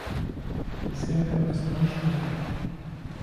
Bisher gab es neun Staffeln.